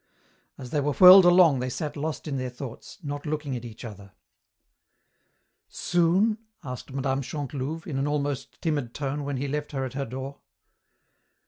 As they were whirled along they sat lost in their thoughts, not looking at each other. "Soon?" asked Mme. Chantelouve, in an almost timid tone when he left her at her door.